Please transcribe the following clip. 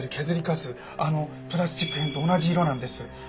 あのプラスチック片と同じ色なんです。